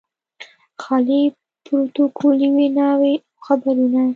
خالي پروتوکولي ویناوې او خبرونه.